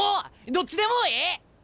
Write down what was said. どっちでもええ！